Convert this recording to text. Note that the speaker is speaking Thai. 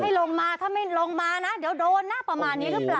ลงมาถ้าไม่ลงมานะเดี๋ยวโดนนะประมาณนี้หรือเปล่า